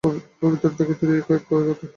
পবিত্রতার ক্ষেত্রেও এই একই কথা।